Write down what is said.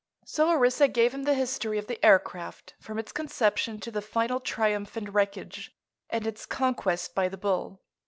So Orissa gave him the history of the aircraft, from its conception to the final triumph and wreckage and its conquest by the bull.